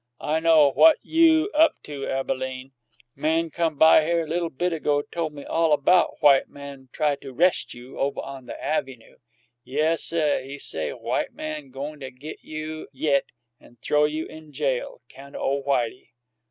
I know what you up to, Abalene. Man come by here li'l bit ago tole me all 'bout white man try to 'rest you, ovah on the avvynoo. Yessuh; he say white man goin' to git you yit an' th'ow you in jail 'count o' Whitey.